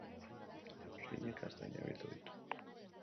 Eguzkiñek gaztainak bildu ditu.